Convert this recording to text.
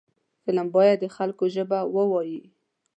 فلم باید د خلکو ژبه ووايي